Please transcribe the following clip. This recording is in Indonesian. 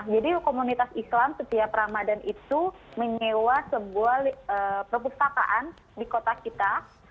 jadi komunitas islam setiap ramadan itu menyewa sebuah perpustakaan di kota kita